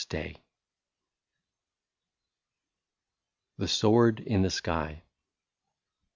io6 THE SWORD IN THE SKY.